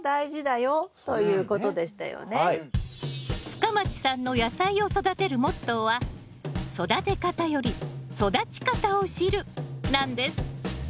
深町さんの野菜を育てるモットーは育て方より育ち方を知るなんです